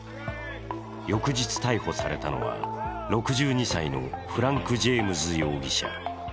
翌日、逮捕されたのは６２歳のフランク・ジェームズ容疑者。